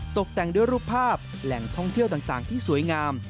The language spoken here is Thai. ตกแต่งด้วยรูปภาพแหล่งท่องเที่ยวต่างที่สวยงาม